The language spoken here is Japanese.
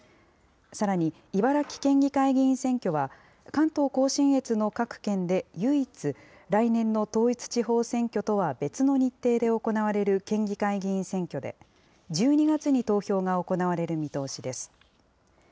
さらに茨城県議会議員選挙は関東甲信越の各県で唯一、来年の統一地方選挙とは別の日程で行われる県議会議員選挙で、１２月に投票が行われる見通しです。